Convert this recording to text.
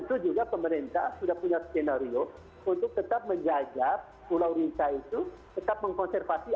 dan tentu juga pemerintah sudah punya skenario untuk tetap menjaga pulau rinka itu tetap mengkonservasi